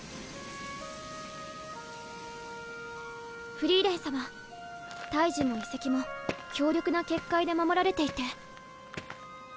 フリーレン様大樹も遺跡も強力な結界で守られていて。